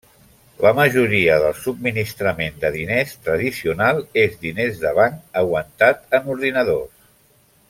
La majoria del subministrament de diners tradicional és diners de banc aguantat en ordinadors.